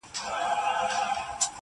چي هر چا ورته کتل ورته حیران وه،